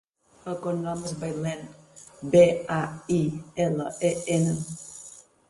El cognom és Bailen: be, a, i, ela, e, ena.